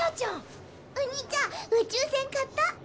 おにいちゃん宇宙船買った？